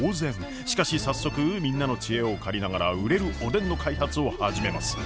しかし早速みんなの知恵を借りながら売れるおでんの開発を始めます。